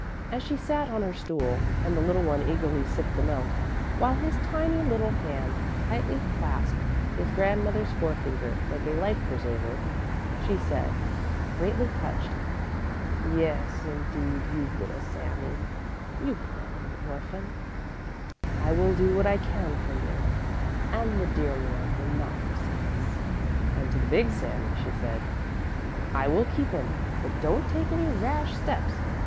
As she sat on her stool, and the little one eagerly sipped the milk, while his tiny little hand tightly clasped his grandmother's forefinger like a life preserver, she said, greatly touched: "Yes, indeed, you little Sami, you poor little orphan, I will do what I can for you and the dear Lord will not forsake us." And to the big Sami she said: "I will keep him, but don't take any rash steps!